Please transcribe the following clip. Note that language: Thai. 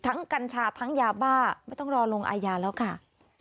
กัญชาทั้งยาบ้าไม่ต้องรอลงอาญาแล้วค่ะ